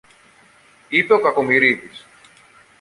είπε ο Κακομοιρίδης